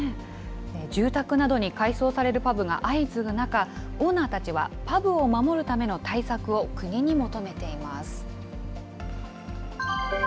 住宅などに改装されるパブが相次ぐ中、オーナーたちは、パブを守るための対策を国に求めています。